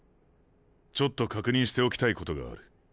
ちょっと確認しておきたいことがある。